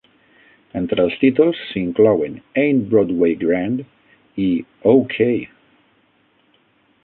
Entre els títols s"inclouen "Ain't Broadway Grand" i "Oh, Kay!